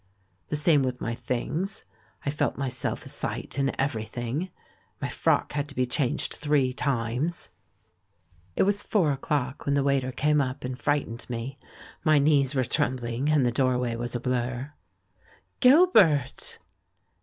The same with my things, I felt myself a sight in everything — my frock had to be changed three times. 376 THE MAN WHO UNDERSTOOD WOMEN It was four o'clock wnen the waiter came up and frightened me. ^ly knees were trembling, and the doorway was a blur. "Gilbert!"